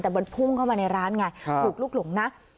แต่มันพุ่งเข้ามาในร้านไงถูกลุกหลงนะ